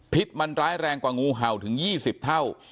มันร้ายแรงกว่างูเห่าถึง๒๐เท่า